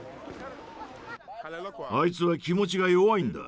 あいつは気持ちが弱いんだ。